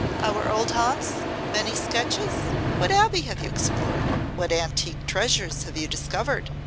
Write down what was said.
Our old haunts? Many sketches? What abbey have you explored, what antique treasures have you discovered?